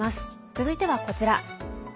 続いてはこちら。